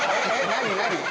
何？